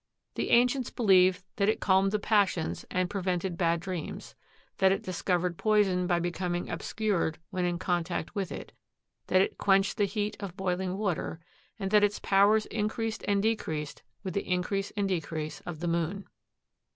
The ancients believed that it calmed the passions and prevented bad dreams; that it discovered poison by becoming obscured when in contact with it; that it quenched the heat of boiling water, and that its powers increased and decreased with the increase and decrease of the moon.